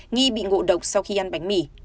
nghi bị ngộ độc sau khi ăn bánh mì